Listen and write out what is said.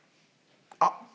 あっ！